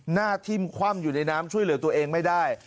หน้าทิ่มคว่ำอยู่ในน้ำช่วยเหลือตัวเองไม่ได้